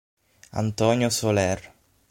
Antonio Soler